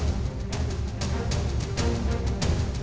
sampai jumpa di video selanjutnya